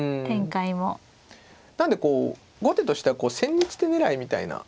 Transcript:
なんでこう後手としては千日手狙いみたいな。